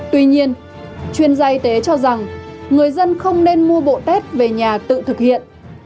tuy nhiên chuyên gia y tế cho rằng người dân không nên mua bộ test về nhà tự thực hiện